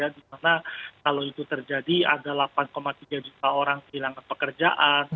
di mana kalau itu terjadi ada delapan tiga juta orang kehilangan pekerjaan